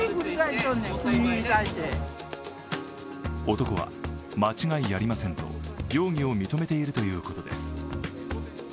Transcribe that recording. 男は、間違いありませんと容疑を認めているということです。